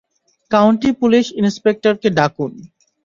County police ইন্সপেক্টরকে ডাকুন!